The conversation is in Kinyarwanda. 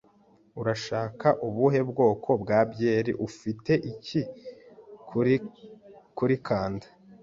"Urashaka ubuhe bwoko bwa byeri?" "Ufite iki kuri kanda?"